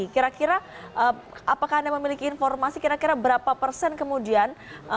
kira kira apakah anda memiliki informasi kira kira berapa persen kemudian